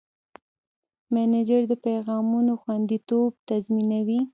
مسېنجر د پیغامونو خوندیتوب تضمینوي.